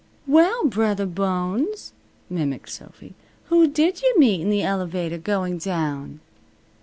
"Well, Brothah Bones," mimicked Sophy, "who did you meet in the elevator going down?"